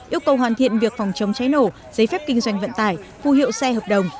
yêu cầu hoàn thiện việc phòng chống cháy nổ giấy phép kinh doanh vận tải phù hiệu xe hợp đồng